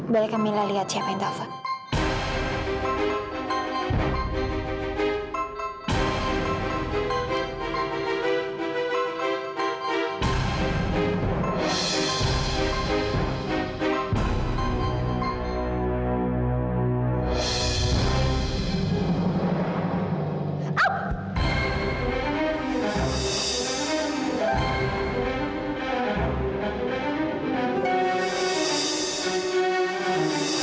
biar camilla lihat siapa yang taufan